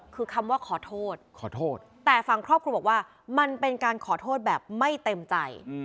คือคำว่าขอโทษขอโทษแต่ฝั่งครอบครัวบอกว่ามันเป็นการขอโทษแบบไม่เต็มใจ